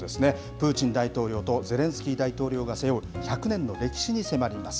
プーチン大統領とゼレンスキー大統領が背負う、１００年の歴史に迫ります。